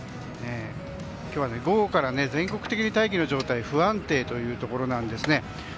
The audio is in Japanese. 今日は午後から全国的に大気の状態が不安定というところなんですね。